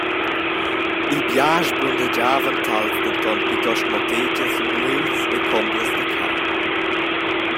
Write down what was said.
Il bia sblundergiavan tals denton plitost mo tegias, nuegls e combras da carn.